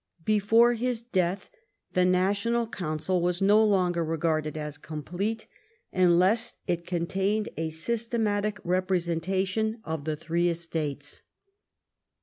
Before his death the national council was no longer regarded as complete unless it contained a systematic representa tion of the three estates.